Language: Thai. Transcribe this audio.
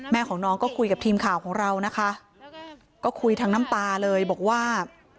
แม่ของน้องก็คุยกับทีมข่าวของเรานะคะก็คุยทั้งน้ำตาเลยบอกว่า